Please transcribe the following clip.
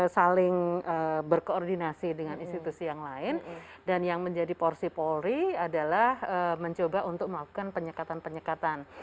saling berkoordinasi dengan institusi yang lain dan yang menjadi porsi polri adalah mencoba untuk melakukan penyekatan penyekatan